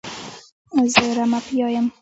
زه رمه پیايم.